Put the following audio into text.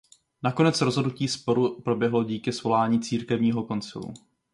Nakonec rozhodnutí sporu proběhlo díky svolání církevního koncilu.